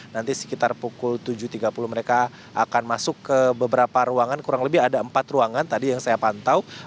nanti sekitar pukul tujuh tiga puluh mereka akan masuk ke beberapa ruangan kurang lebih ada empat ruangan tadi yang saya pantau